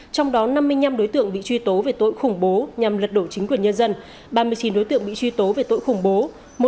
trong đó năm mươi năm đối tượng bị truy tố về tội khủng bố nhằm lật đổ chính quyền nhân dân ba mươi chín đối tượng bị truy tố về tội khủng bố